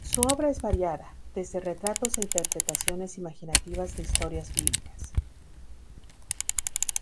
Su obra es variada, desde retratos a interpretaciones imaginativas de historias bíblicas.